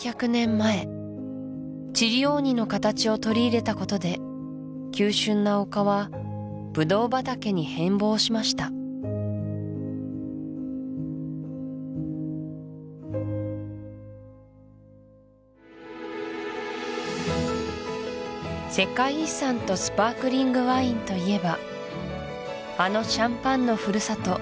前チリオーニの形を取り入れたことで急峻な丘はブドウ畑に変ぼうしました世界遺産とスパークリングワインといえばあのシャンパンのふるさと